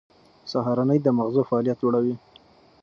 سهارنۍ د مغزو فعالیت لوړوي.